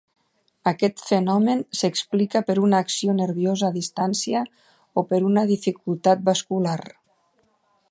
Aquest fenomen s'explica per una acció nerviosa a distància o per una dificultat vascular.